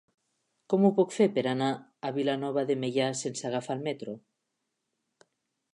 Com ho puc fer per anar a Vilanova de Meià sense agafar el metro?